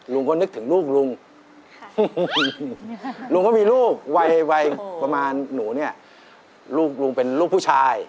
ลุงก็นึกถึงลูกลุงลุงก็มีลูกวัยวัยประมาณหนูเนี่ยลูกลุงเป็นลูกผู้ชาย